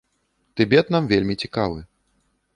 Тыбет нам вельмі цікавы.